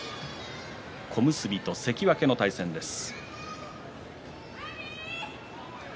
小結と関脇の対戦です。